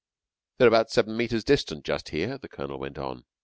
"They're about seven metres distant just here," the Colonel went on.